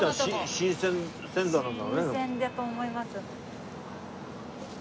新鮮だと思います。